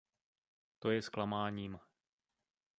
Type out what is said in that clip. To je zklamáním.